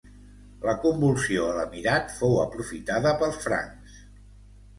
La convulsió a l'emirat fou aprofitada pels francs.